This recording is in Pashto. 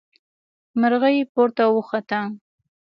مرغۍ پورته وخته.